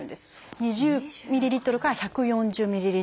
２０ｍＬから１４０ｍＬ。